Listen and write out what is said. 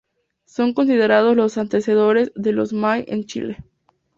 Son considerados los antecesores de los "mall" en Chile.